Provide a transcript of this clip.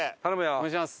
お願いします。